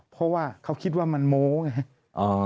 เพราะว่าเขาคิดว่ามันโม้ไง